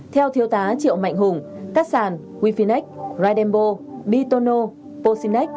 theo thiếu tá triệu mạnh hùng các sản wifinex ridenbo bitono pocinex